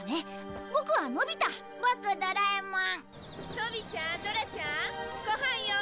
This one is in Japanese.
のびちゃんドラちゃんご飯よ！